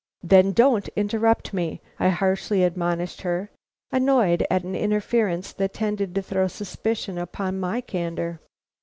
"Then don't interrupt me," I harshly admonished her, annoyed at an interference that tended to throw suspicion upon my candor.